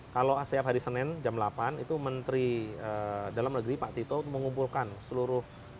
kalau setiap hari senin jam delapan itu menteri dalam negeri pak tito mengumpulkan seluruh